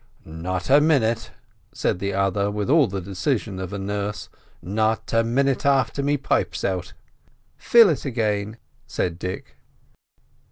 "Not a minit," said the other, with all the decision of a nurse; "not a minit afther me pipe's out!" "Fill it again," said Dick.